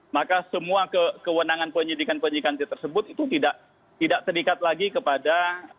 maka semua kewenangan penyidikan penyidikan tersebut itu tidak terikat lagi kepada